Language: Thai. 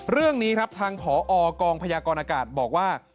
เรื่องนี้ครับทางผอกองพยากรอากาศบอกว่า